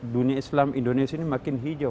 dunia islam indonesia ini makin hijau